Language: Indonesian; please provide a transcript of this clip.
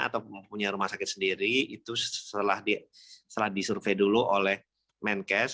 atau mempunyai rumah sakit sendiri itu setelah disurvey dulu oleh menkes